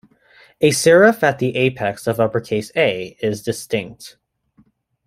A serif at the apex of uppercase A is distinct.